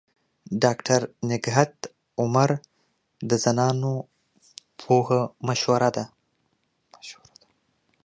ډاکټر نگهت عمر د زنانو پوهه مشهوره ده.